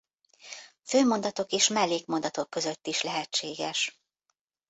Főmondatok és mellékmondatok között is lehetséges.